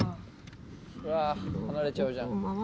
うわぁ離れちゃうじゃん。